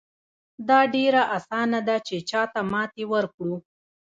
دا ډېره اسانه ده چې چاته ماتې ورکړو.